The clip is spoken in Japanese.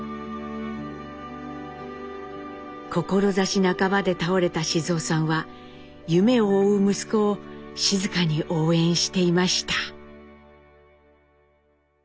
志半ばで倒れた雄さんは夢を追う息子を静かに応援していました。